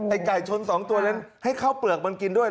ไก่ชน๒ตัวนั้นให้ข้าวเปลือกมันกินด้วย